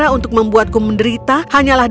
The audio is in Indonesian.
mungkin dia membeli kekuatan yang lain